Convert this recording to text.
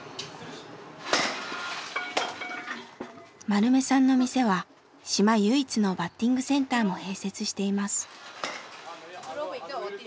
丸目さんの店は島唯一のバッティングセンターも併設しています。